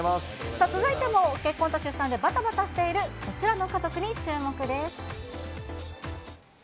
続いても結婚と出産でばたばたしている、こちらの家族に注目です。